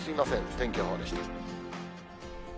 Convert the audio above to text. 天気予報でした。